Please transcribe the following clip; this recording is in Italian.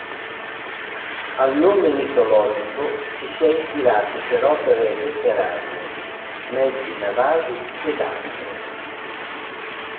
Al nome mitologico ci si è ispirati per opere letterarie, mezzi navali ed altro.